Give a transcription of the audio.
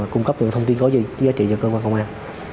cung cấp những thông tin có gì giá trị cho cơ quan công an